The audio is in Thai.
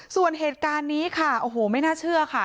ส่วนเหตุการณ์นี้ค่ะโอ้โหไม่น่าเชื่อค่ะ